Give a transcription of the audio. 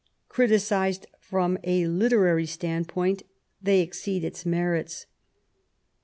Criticised from a lite rary stand point, they exceed its merits.